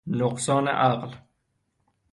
نقصان عقل